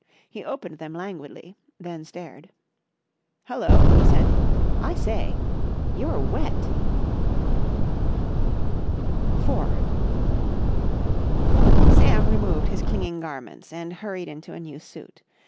He opened them languidly, then stared. "Hullo!" he said. "I say! You're wet!" § 4 Sam removed his clinging garments and hurried into a new suit.